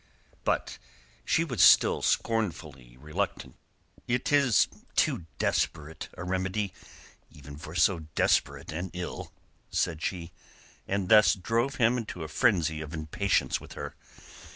But she was still scornfully reluctant. "It is too desperate a remedy even for so desperate an ill," said she, and thus drove him into a frenzy of impatience with her.